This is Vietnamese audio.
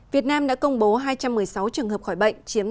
việt nam đã công bố hai trăm một mươi sáu trường hợp khỏi bệnh chiếm tám mươi năm